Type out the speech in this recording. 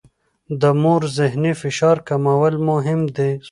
د مور ذهني فشار کمول مهم دي.